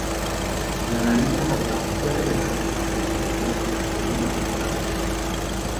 La nariz ganadora fue revelada durante el estreno de la segunda temporada.